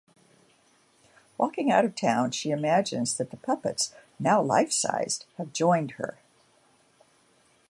Walking out of town, she imagines that the puppets, now life-sized, have joined her.